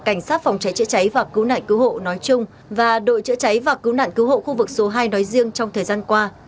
cảnh sát phòng cháy chữa cháy và cứu nạn cứu hộ nói chung và đội chữa cháy và cứu nạn cứu hộ khu vực số hai nói riêng trong thời gian qua